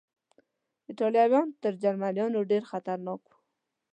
ایټالویان تر جرمنیانو ډېر خطرناک و.